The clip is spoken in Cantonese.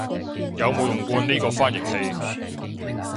有冇用過呢個翻譯器